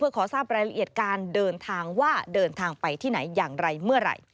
ขอทราบรายละเอียดการเดินทางว่าเดินทางไปที่ไหนอย่างไรเมื่อไหร่